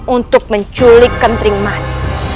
untuk menculik kentring manik